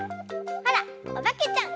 ほらおばけちゃん！